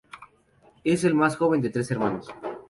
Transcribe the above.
Es el más joven de tres hermanos.